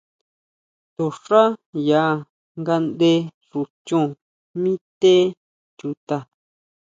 To xá ya ngaʼnde xú chon mi té chuta.